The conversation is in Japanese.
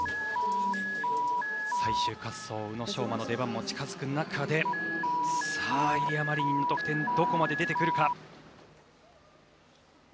最終滑走、宇野昌磨の出番も近づく中でさあ、イリア・マリニンの得点どこまで出てくるか。